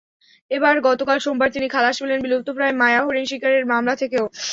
এবার গতকাল সোমবার তিনি খালাস পেলেন বিলুপ্তপ্রায় মায়া হরিণ শিকারের মামলা থেকেও।